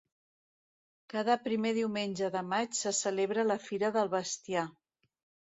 Cada primer diumenge de maig se celebra la fira del bestiar.